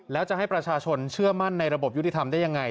แล้วจะให้ประชาชนเชื่อมั่นในระบบยุติธรรมได้ยังไง